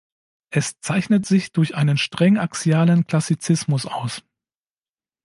Es zeichnet sich durch einen streng axialen Klassizismus aus.